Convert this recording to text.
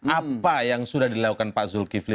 apa yang sudah dilakukan pak zulkifli